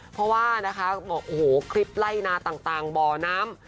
เพราะว่านะคะบอกโอ้โหคลิปไล่นาต่างบ่อน้ำ